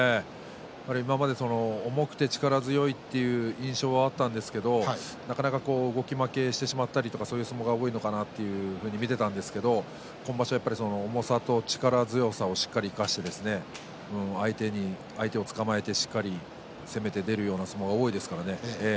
今まで重くて力強いという印象あったんですけどなかなか動き負けしてしまったりとかそういうことが多かったんですけど今場所はやっぱり重さと力強さをしっかり生かして相手をつかまえてしっかり攻めて出るような相撲が多いですからね。